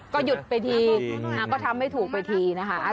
ก็หยุดไปทีก็ทำไม่ถูกไปทีนะคะ